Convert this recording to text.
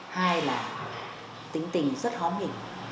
hai là tính tình rất hóa mỉnh